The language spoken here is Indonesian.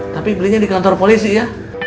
tapi belinya di kantor polisi ya